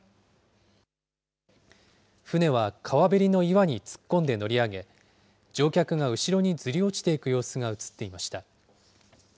舟は川べりの岩に突っ込んで乗り上げ、乗客が後ろにずり落ちていく様子が写っていました。